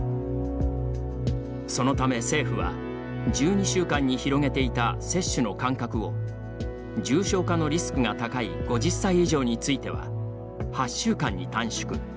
そのため、政府は１２週間に広げていた接種の間隔を重症化のリスクが高い５０歳以上については８週間に短縮。